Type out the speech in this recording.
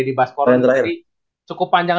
dari baspor cukup panjang